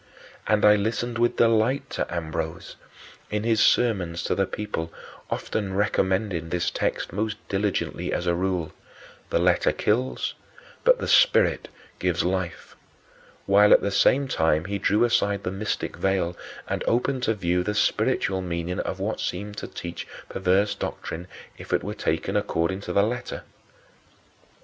And I listened with delight to Ambrose, in his sermons to the people, often recommending this text most diligently as a rule: "The letter kills, but the spirit gives life," while at the same time he drew aside the mystic veil and opened to view the spiritual meaning of what seemed to teach perverse doctrine if it were taken according to the letter.